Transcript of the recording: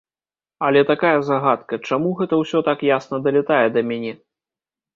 Але такая загадка, чаму гэта ўсё так ясна далятае да мяне?